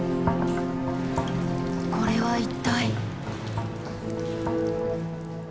これは一体？